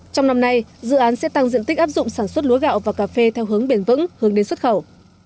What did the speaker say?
trong năm nay dự án sẽ tăng diện tích áp dụng sản xuất lúa gạo và cà phê theo hướng bền vững hướng đến xuất khẩu